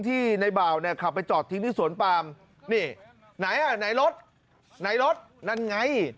ที่ในบ่าวเนี่ยขับไปจอดทิ้งที่สวนปามนี่ไหนอ่ะไหนรถไหนรถนั่นไง